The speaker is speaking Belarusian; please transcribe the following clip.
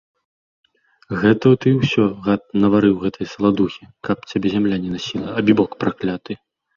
Гэта ты ўсё, гад, наварыў гэтай саладухі, каб цябе зямля не насіла, абібок пракляты!